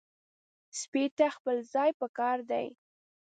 سپي ته خپل ځای پکار دی.